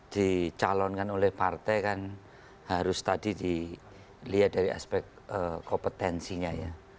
dicalonkan oleh partai kan harus tadi dilihat dari aspek kompetensinya ya